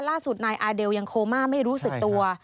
ล่าสุดนายอาเดลยังโคม่าไม่รู้สึกตัว